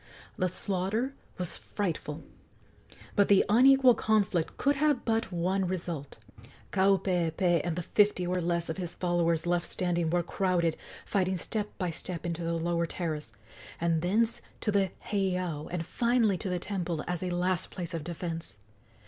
The slaughter was frightful; but the unequal conflict could have but one result. Kaupeepee and the fifty or less of his followers left standing were crowded, fighting step by step, into the lower terrace, and thence to the heiau, and finally to the temple as a last place of defence.